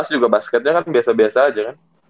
sebelas juga basketnya kan biasa biasa aja kan